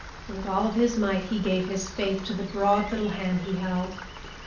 With all his might he gave his faith to the broad little hand he held.